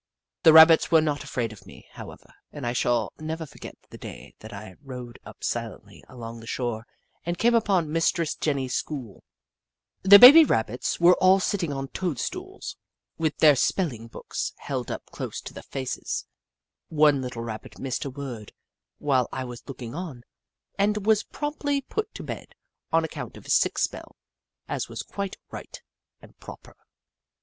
The Rabbits were not afraid of me, how ever, and I shall never forget the day that I rowed up silently along the shore and came upon Mistress Jenny's school. The baby Rabbits were all sitting on toadstools, with 1 86 The Book of Clever Beasts their spehing books held up close to their faces. One little Rabbit missed a word while I was looking on, and was promptly put to bed on account of his sick spell, as was quite right and proper.